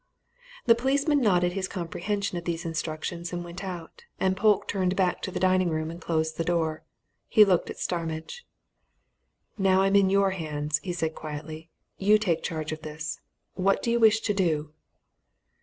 The policeman nodded his comprehension of these instructions and went out, and Polke turned back to the dining room and closed the door. He looked at Starmidge. "Now I'm in your hands," he said quietly. "You take charge of this. What do you wish to do?"